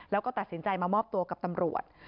แล้วก็ตัดสินใจมามอบตัวกับตำรวจ